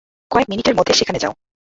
কয়েক মিনিটের মধ্যে সেখানে যাও।